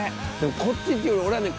こっちっていうより俺はね